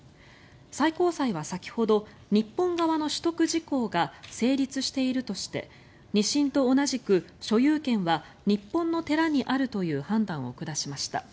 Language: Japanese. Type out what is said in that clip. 最高裁は先ほど日本側の取得時効が成立しているとして２審と同じく所有権は日本の寺にあるという判断を下しました。